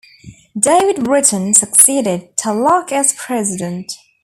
David Britten succeeded Tulloch as president.